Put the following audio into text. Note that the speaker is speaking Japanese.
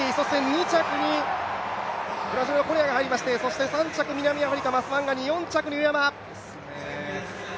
２着にブラジルのコレアが入りまして、３着、南アフリカ、マスワンガニー４着に上山です。